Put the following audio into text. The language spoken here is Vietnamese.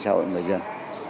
cho người dân